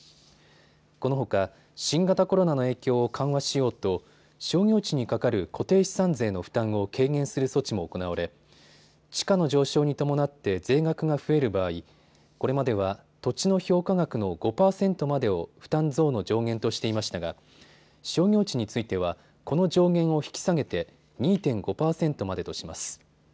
このほか新型コロナの影響を緩和しようと商業地にかかる固定資産税の負担を軽減する措置も行われ地価の上昇に伴って税額が増える場合、これまでは土地の評価額の５％までを負担増の上限としていましたが商業地についてはこの上限を引き下げて２．５％までとします。